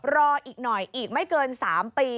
รออีกหน่อยอีกไม่เกิน๓ปี